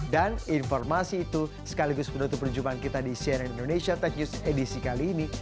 dan informasi itu sekaligus penutup perjumpaan kita di cnn indonesia tech news edisi kali ini